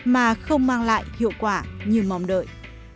mà không mang lại hiệu quả như mong đợi